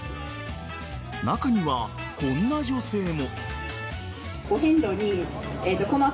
中にはこんな女性も。